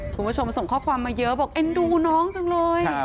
คุณผู้ชมส่งข้อความมาเยอะบอกเอ็นดูน้องจังเลย